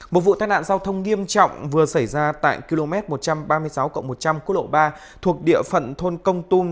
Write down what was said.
một vụ tai nạn giao thông nghiêm trọng vừa xảy ra tại km một trăm ba mươi sáu một trăm linh quốc lộ ba thuộc địa phận thôn công tung